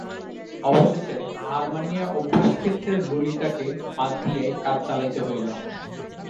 অবশেষে, হার মানিয়া অভ্যাসক্ষেত্রে ললিতাকে বাদ দিয়াই কাজ চালাইতে হইল।